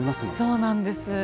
そうなんです。